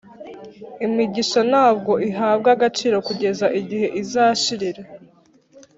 imigisha ntabwo ihabwa agaciro kugeza igihe izashirira